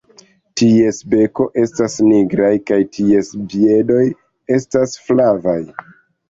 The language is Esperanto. Ties beko estas nigra kaj ties piedoj estas flavaj.